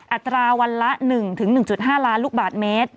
อัตราวันละ๑๑๕ล้านลูกบาทเมตร